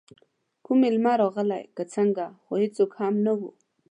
کوم میلمه راغلی که څنګه، خو هېڅوک هم نه وو.